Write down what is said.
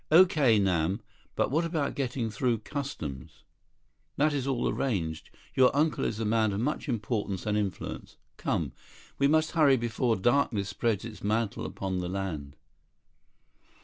"Okay, Nam. But what about getting through customs?" 29 "That is all arranged. Your uncle is a man of much importance and influence. Come. We must hurry before darkness spreads its mantle upon the land."